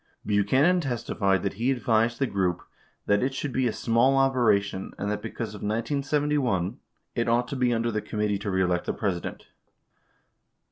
Buchanan testified that he advised the group that "it should be a small operation, and that because of 1971 it ought to be under the Committee To Ee Elect the President."